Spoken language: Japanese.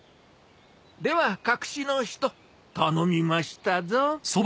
では隠の人頼みましたぞ。